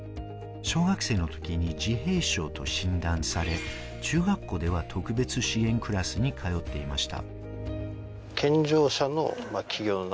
小学生の時に自閉症と診断され、中学校では特別支援クラスに通っていました。